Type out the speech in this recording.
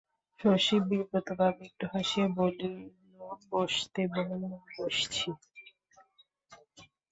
শশী বিব্রতভাবে একটু হাসিয়া বলিল, বসতে বলো, বসছি।